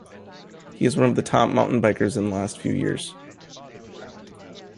He is one of the top mountain bikers in the last few years.